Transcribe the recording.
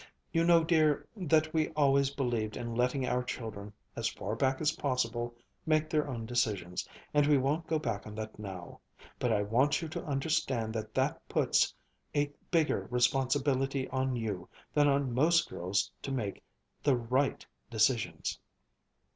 "You know, dear, that we always believed in letting our children, as far as possible, make their own decisions, and we won't go back on that now. But I want you to understand that that puts a bigger responsibility on you than on most girls to make the right decisions.